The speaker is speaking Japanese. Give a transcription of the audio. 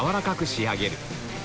仕上げる